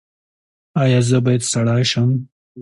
ایا زه باید سړی شم؟